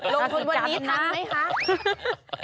ลงทุนวันนี้ทันไหมคะ